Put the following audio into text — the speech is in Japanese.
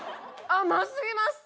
甘過ぎます！